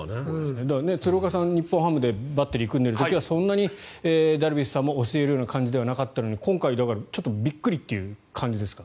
鶴岡さん、日本ハムでバッテリーを組んでる時はそんなにダルビッシュさんも教えるような感じではなかったのに今回はちょっとびっくりという感じですか？